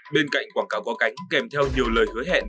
bên cạnh quảng cáo có cánh kèm theo nhiều lời hứa hẹn